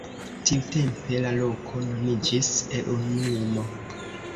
Tiutempe la loko nomiĝis Eŭnumo.